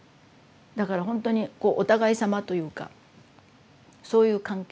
だからほんとにこうお互いさまというかそういう関係。